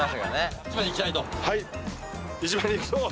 はい